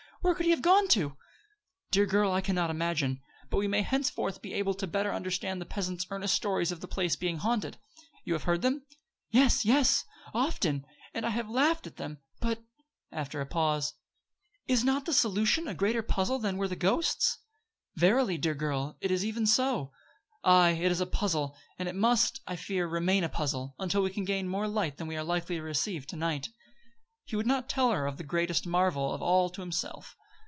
Where could he have gone to?" "Dear girl, I can not imagine. But we may henceforth be able to better understand the peasants' earnest stories of the place being haunted. You have heard them?" "Yes, yes, often; and have laughed at them. But," after a pause, "is not the solution a greater puzzle than were the ghosts?" "Verily, dear girl, it is even so. Aye, it is a puzzle; and it must, I fear, remain a puzzle, until we can gain more light than we are likely to receive to night." He would not tell her of the greatest marvel of all to himself.